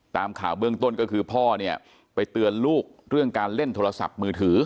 ตามข่าวเบื้องต้นก็คือพ่อเนี่ยไปเตือนลูกเรื่องการเล่นโทรศัพท์มือถือ